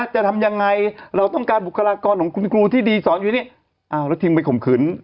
จะทำยังไงเราต้องการบุคลากรของคุณครูที่ดีสอนอยู่นี่อ้าวแล้วทีมไปข่มขืน